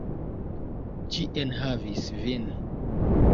Ĝi enhavis vin.